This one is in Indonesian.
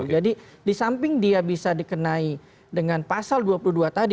jadi di samping dia bisa dikenai dengan pasal dua puluh dua tadi